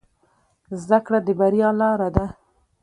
زده کړه د بریا لاره ده